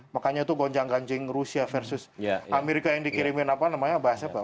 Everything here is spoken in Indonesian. makanya itu gonjang ganjing rusia versus amerika yang dikirimin apa namanya bahasa